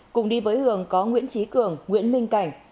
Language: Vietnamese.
cùng đi với hường có nguyễn trí cường nguyễn minh cảnh